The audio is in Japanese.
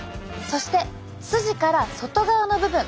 そして筋から外側の部分。